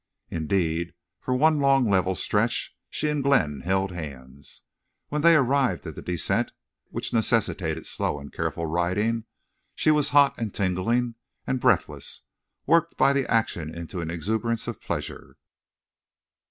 Indeed, for one long level stretch she and Glenn held hands. When they arrived at the descent, which necessitated slow and careful riding, she was hot and tingling and breathless, worked by the action into an exuberance of pleasure.